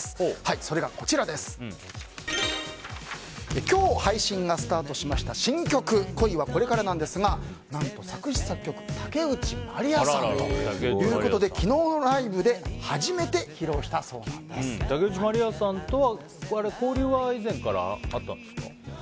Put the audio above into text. それが今日配信がスタートしました新曲「恋はこれから」なんですが何と作詞・作曲竹内まりやさんということで昨日のライブで竹内まりやさんとは交流は以前からあったんですか？